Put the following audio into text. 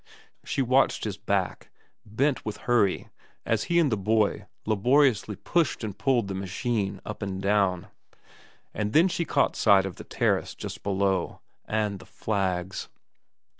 She watched his back, bent with hurry as he and the boy laboriously pushed and pulled the machine up and down ; and then she caught sight of the terrace just below, and the flags.